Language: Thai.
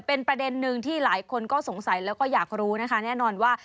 เป็นประเด็นหนึ่งที่หลายคนก็สงสัยแล้วก็อยากรู้นะคะแน่นอนว่า